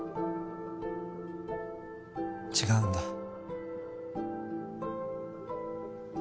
違うんだ。